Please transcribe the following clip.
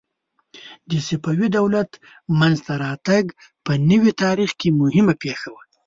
د صفوي دولت منځته راتګ په نوي تاریخ کې مهمه پېښه وه.